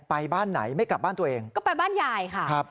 บ้านไหนไม่กลับบ้านตัวเองก็ไปบ้านยายค่ะครับ